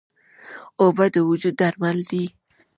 اوبه د وجود درمل دي.